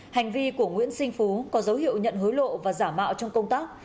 hành vi của nguyễn sinh phú có dấu hiệu nhận hối lộ và giả mạo trong công tác